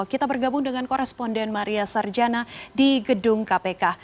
kita bergabung dengan koresponden maria sarjana di gedung kpk